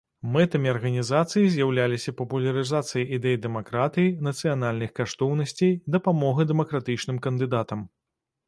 Мэтамі арганізацыі з'яўляліся папулярызацыя ідэй дэмакратыі, нацыянальных каштоўнасцей, дапамога дэмакратычным кандыдатам.